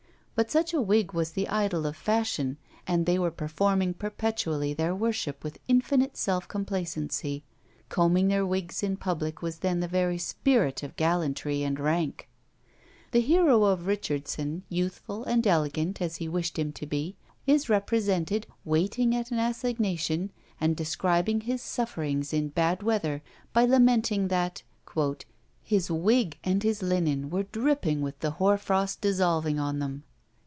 But such a wig was the idol of fashion, and they were performing perpetually their worship with infinite self complacency; combing their wigs in public was then the very spirit of gallantry and rank. The hero of Richardson, youthful and elegant as he wished him to be, is represented waiting at an assignation, and describing his sufferings in bad weather by lamenting that "his wig and his linen were dripping with the hoar frost dissolving on them."